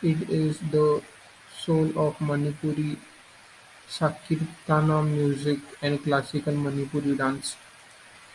It is the soul of Manipuri Sankirtana music and Classical Manipuri dance.